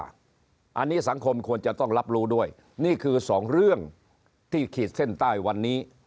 อันนี้สังคมควรจะต้องรับรู้ด้วยนี่คือสองเรื่องที่ขีดเส้นใต้วันนี้